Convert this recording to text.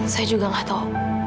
saya juga gak tahu